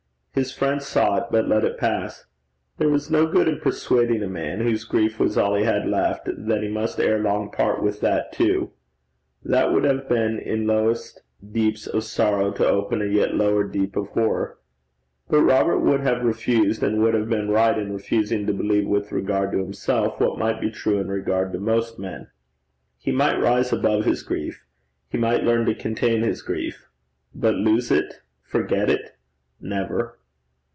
His friend saw it, but let it pass. There was no good in persuading a man whose grief was all he had left, that he must ere long part with that too. That would have been in lowest deeps of sorrow to open a yet lower deep of horror. But Robert would have refused, and would have been right in refusing to believe with regard to himself what might be true in regard to most men. He might rise above his grief; he might learn to contain his grief; but lose it, forget it? never.